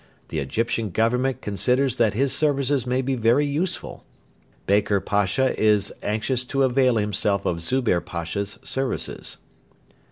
The Egyptian Government considers that his services may be very useful.... Baker Pasha is anxious to avail himself of Zubehr Pasha's services.'